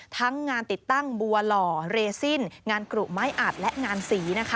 ทั้งงานติดตั้งบัวหล่อเรซินงานกรุไม้อัดและงานสีนะคะ